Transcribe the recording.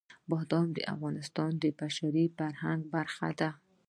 بادام د افغانستان د بشري فرهنګ برخه ده.